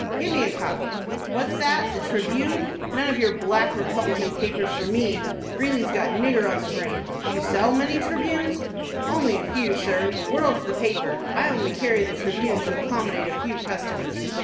"Give me a copy. What's that,—the 'Tribune'! None of your Black Republican papers for me Greeley's got nigger on the brain. Do you sell many 'Tribunes'?" "Only a few, sir. The 'World''s the paper! I only carry the 'Tribune' to accommodate a few customers."